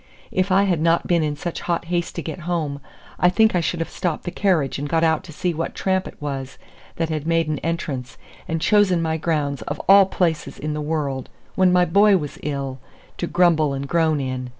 If I had not been in such hot haste to get home, I think I should have stopped the carriage and got out to see what tramp it was that had made an entrance, and chosen my grounds, of all places in the world, when my boy was ill! to grumble and groan in.